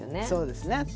そうですね。